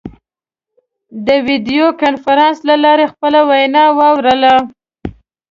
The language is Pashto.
د ویډیو کنفرانس له لارې خپله وینا واوروله.